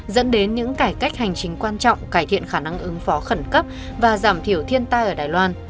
dẫn đến những cải cách hành chính quan trọng cải thiện khả năng ứng phó khẩn cấp và giảm thiểu thiên tai ở đài loan